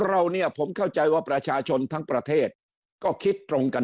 เราเนี่ยผมเข้าใจว่าประชาชนทั้งประเทศก็คิดตรงกัน